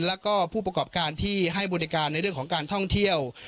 แล้วก็ผู้ประกอบการที่ให้บริการในเรื่องของการท่องเที่ยว